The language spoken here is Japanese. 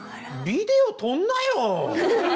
ビデオ撮んなよ。